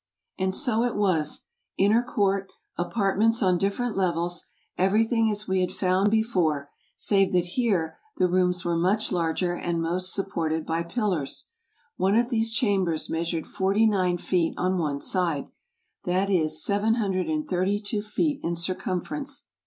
" And so it was — inner court, apartments on different levels, everything as we had found before, save that here the rooms were much larger and most supported by pillars ; one of these chambers measured forty nine feet on one side, that is, seven hundred and thirty two feet in circumference.